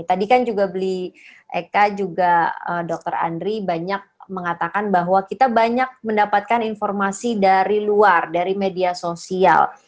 tadi kan juga beli eka juga dokter andri banyak mengatakan bahwa kita banyak mendapatkan informasi dari luar dari media sosial